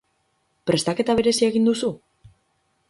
Prestaketa berezia egin duzu?